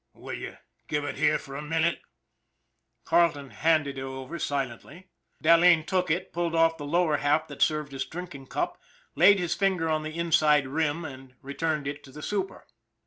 Will you give it here for a minute ?" Carleton handed it over silently. Dahleen took it, pulled off the lower half that served as drinking cup, laid his finger on the inside rim, and returned it to the super.